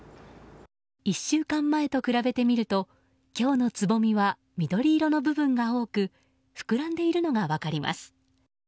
１週間前と比べてみると今日のつぼみは緑色の部分が多く膨らんでいるのが分かります。